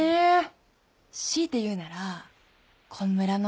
強いて言うならこん村の自然かな。